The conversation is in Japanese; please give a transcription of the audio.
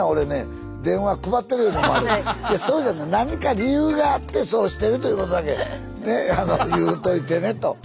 違うそうじゃない何か理由があってそうしてるということだけ言うといてねと。